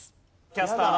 キャスター・